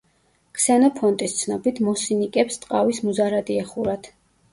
ქსენოფონტის ცნობით მოსინიკებს ტყავის მუზარადი ეხურათ.